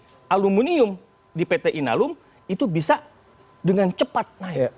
untuk produksi alumunium di pt inalum itu bisa dengan cepat naik